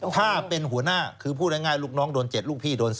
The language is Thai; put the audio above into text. ถ้าเป็นหัวหน้าคือพูดง่ายลูกน้องโดน๗ลูกพี่โดน๔